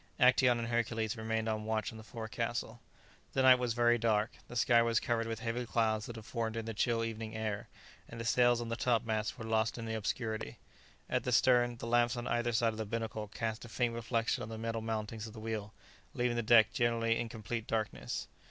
Actæon and Hercules remained on watch on the forecastle. The night was very dark; the sky was covered with heavy clouds that had formed in the chill evening air, and the sails on the top masts were lost in the obscurity. At the stern, the lamps on either side of the binnacle cast a faint reflection on the metal mountings of the wheel, leaving the deck generally in complete darkness.